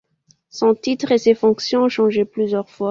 Son titre et ses fonctions ont changé plusieurs fois.